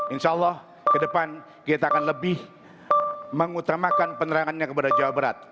insya allah ke depan kita akan lebih mengutamakan penerangannya kepada jawa barat